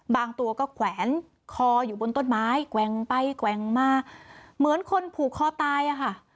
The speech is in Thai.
บางตัวก็แขวนคออยู่บนต้นไม้แกว่งไปแกว่งมาเหมือนคนผูกคอตายอะค่ะ